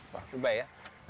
berapa ini luasnya